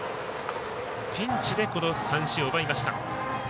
ピンチで三振を奪いました。